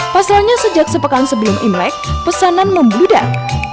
pasalnya sejak sepekan sebelum imlek pesanan membludak